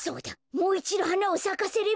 もういちど花をさかせれば。